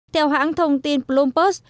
theo hãng thông tin plumpus